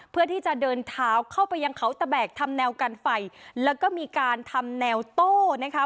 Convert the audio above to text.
เพื่อที่จะเดินเท้าเข้าไปยังเขาตะแบกทำแนวกันไฟแล้วก็มีการทำแนวโต้นะคะ